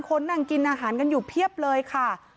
คนนั่งกินอาหารกันอยู่เพียบเลยค่ะ